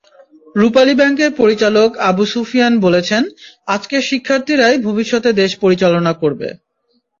রূপালী ব্যাংকের পরিচালক আবু সুফিয়ান বলেছেন, আজকের শিক্ষার্থীরাই ভবিষ্যতে দেশ পরিচালনা করবে।